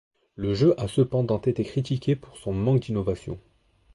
Le jeu a cependant été critiqué pour son manque d'innovation.